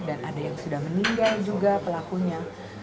ada yang sudah meninggal juga pelakunya